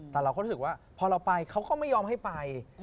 แต่เราก็รู้สึกว่าพอเราไปเขาก็ไม่ยอมให้ไป